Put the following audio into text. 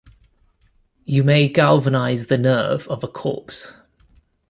You may galvanize the nerve of a corpse.